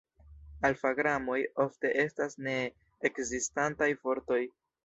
Alfa-gramoj ofte estas ne-ekzistantaj vortoj.